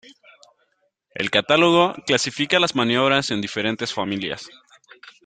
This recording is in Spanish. El catálogo clasifica las maniobras en diferentes familias.